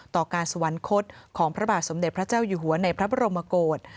ต่อการสวรรคตของพระบาทสมเด็จพระเจ้าอยู่หัวในพระบรมกฏ